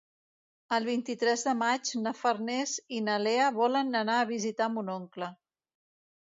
El vint-i-tres de maig na Farners i na Lea volen anar a visitar mon oncle.